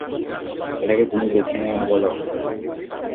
এটাকে তুমি বেছে নেওয়া বলো?